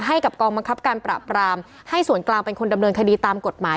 ให้กับกองบังคับการปราบรามให้ส่วนกลางเป็นคนดำเนินคดีตามกฎหมาย